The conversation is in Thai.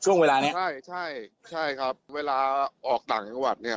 ช่วงเวลานี้ใช่ใช่ครับเวลาออกต่างจังหวัดเนี่ย